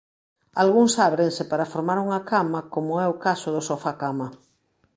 Algúns ábrense para formar unha cama como é o caso do sofá cama.